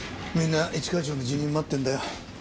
みんな一課長の辞任を待ってるんだよ。